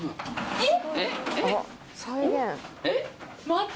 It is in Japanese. えっ！